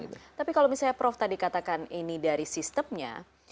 tapi kalau misalnya prof tadi katakan ini dari sistemnya